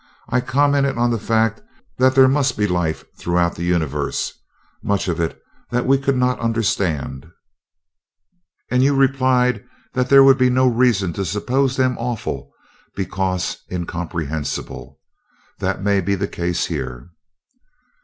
I commented on the fact that there must be life throughout the Universe, much of it that we could not understand; and you replied that there would be no reason to suppose them awful because incomprehensible. That may be the case here."